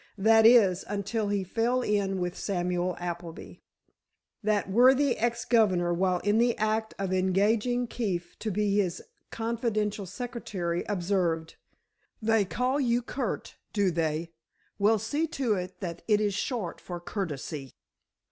That is, until he fell in with Samuel Appleby. That worthy ex governor, while in the act of engaging Keefe to be his confidential secretary, observed: "They call you Curt, do they? Well, see to it that it is short for courtesy."